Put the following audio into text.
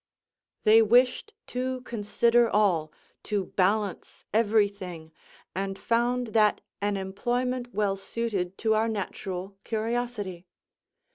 They wished to consider all, to balance every thing, and found that an employment well suited to our natural curiosity.